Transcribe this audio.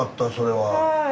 はい。